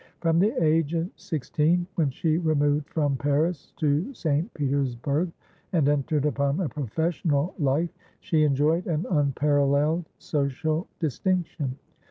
From the age of sixteen, when she removed from Paris to St. Petersburg, and entered upon a professional life, she enjoyed an unparalleled social distinction.